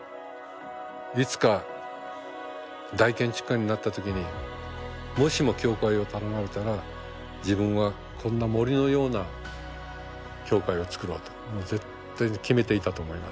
いつか大建築家になった時にもしも教会を頼まれたら自分はこんな森のような教会を作ろうともうずっと決めていたと思います。